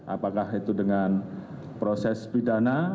apakah itu dengan proses pidana